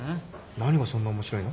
何がそんな面白いの？